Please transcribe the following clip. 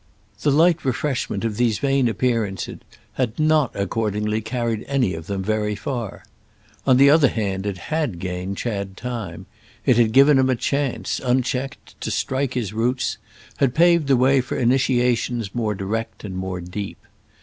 The light refreshment of these vain appearances had not accordingly carried any of them very far. On the other hand it had gained Chad time; it had given him a chance, unchecked, to strike his roots, had paved the way for initiations more direct and more deep.